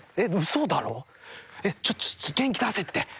ちょっと元気出せって。